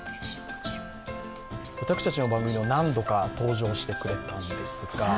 私たちの番組では何度か登場してくれたんですが。